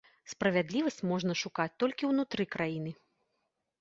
Справядлівасць можна шукаць толькі ўнутры краіны.